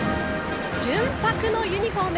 純白のユニフォーム。